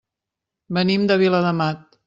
Venim de Viladamat.